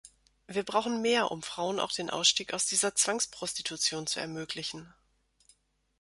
Wir brauchen mehr, um Frauen auch den Ausstieg aus dieser Zwangsprostitution zu ermöglichen.